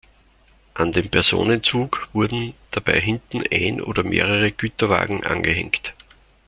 An den Personenzug wurden dabei hinten ein oder mehrere Güterwagen angehängt.